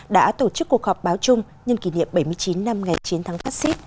đã tổ chức cuộc họp báo chung nhân kỷ niệm bảy mươi chín năm ngày chín tháng phát xít